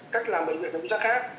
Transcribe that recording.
cách làm bệnh viện nó sẽ khác